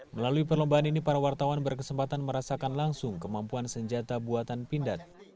melalui perlombaan ini para wartawan berkesempatan merasakan langsung kemampuan senjata buatan pindad